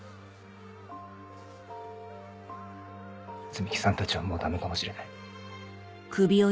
摘木さんたちはもうダメかもしれない。